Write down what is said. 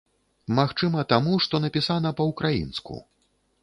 Магчыма, таму, што напісана па-ўкраінску.